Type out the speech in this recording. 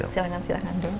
silahkan silahkan dok